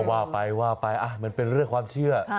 ก็ว่าไปมันเป็นเลือกความเชื่อ